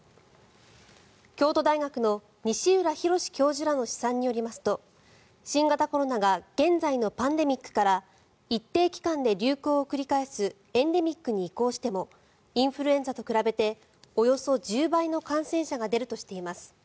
京都大学の西浦博教授らの試算によりますと新型コロナが現在のパンデミックから一定期間で流行を繰り返すエンデミックに移行してもインフルエンザと比べておよそ１０倍の感染者が出るとしています。